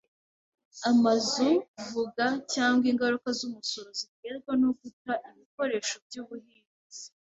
amazu, vuga, cyangwa ingaruka z'umusoro ziterwa no guta ibikoresho byubuhinzi